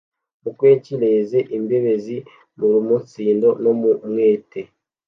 mu kwekirene imbebezi, mu ruumunsindo no mu mwete